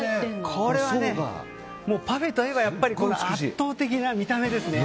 これはパフェといえば圧倒的な見た目ですね。